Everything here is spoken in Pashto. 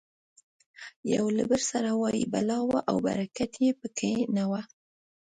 یو له بل سره وایي بلا وه او برکت یې پکې نه و.